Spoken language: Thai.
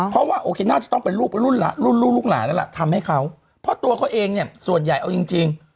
เพราะว่าโอเคน่าจะต้องเป็นลูกรุ่นลูกลูกหลานแล้วล่ะทำให้เขาเพราะตัวเขาเองเนี่ยส่วนใหญ่เอาจริงจริง